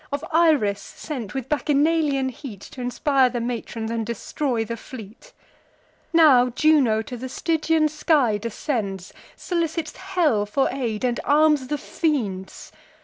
Of Iris sent, with Bacchanalian heat T' inspire the matrons, and destroy the fleet? Now Juno to the Stygian sky descends, Solicits hell for aid, and arms the fiends.